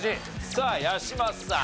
さあ八嶋さん。